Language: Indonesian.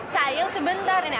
sayang sebentar nenek